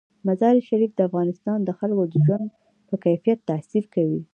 مزارشریف د افغانستان د خلکو د ژوند په کیفیت تاثیر لري.